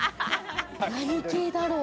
何系だろう？